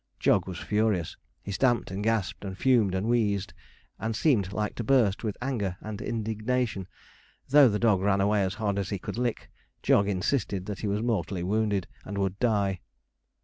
Jog was furious. He stamped, and gasped, and fumed, and wheezed, and seemed like to burst with anger and indignation. Though the dog ran away as hard as he could lick, Jog insisted that he was mortally wounded, and would die.